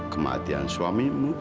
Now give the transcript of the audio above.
kematian suamimu ngurus anakmu